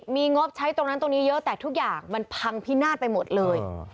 มีงบใช้ตรงนั้นตรงนี้เยอะแต่ทุกอย่างมันพังพินาศไปหมดเลย